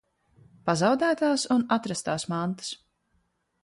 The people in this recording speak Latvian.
Pazaudētās un atrastās mantas.